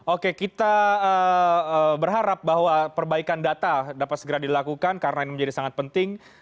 oke kita berharap bahwa perbaikan data dapat segera dilakukan karena ini menjadi sangat penting